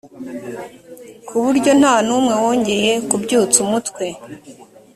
ku buryo nta n’umwe wongeye kubyutsa umutwe.